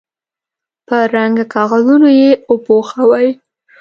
په رنګه کاغذونو یې وپوښوئ.